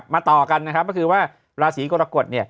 มาต่อกันนะครับก็คือว่าราศีกรกฎ